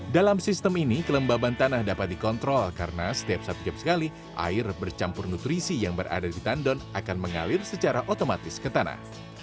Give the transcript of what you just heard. dalam sistem ini kelembaban tanah dapat dikontrol karena setiap satu jam sekali air bercampur nutrisi yang berada di tandon akan mengalir secara otomatis ke tanah